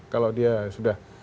kalau dia sudah